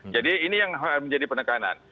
ini yang menjadi penekanan